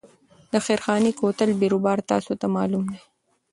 د خیرخانې کوتل بیروبار تاسو ته معلوم دی.